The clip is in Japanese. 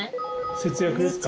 節約ですか？